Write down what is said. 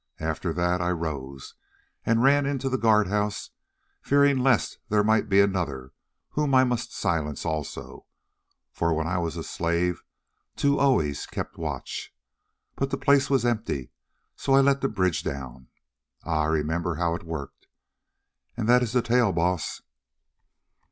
After that I rose and ran into the guard house, fearing lest there might be another whom I must silence also, for when I was a slave two always kept watch. But the place was empty, so I let the bridge down. Ah! I remembered how it worked. And that is the tale, Baas."